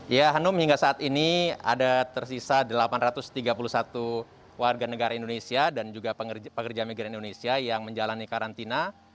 ya hanum hingga saat ini ada tersisa delapan ratus tiga puluh satu warga negara indonesia dan juga pekerja migran indonesia yang menjalani karantina